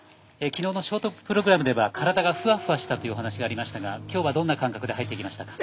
昨日のショートプログラムでは体がふわふわしたという話がありましたが今日はどんな感覚で入ってきましたか？